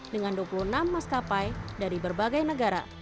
dengan dua puluh enam maskapai dari berbagai negara